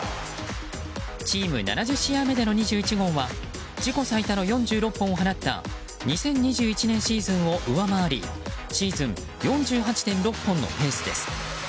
チーム７０試合目の２１本は自己最多の４６本を放った２０２１年シーズンを上回りシーズン４８．６本のペースです。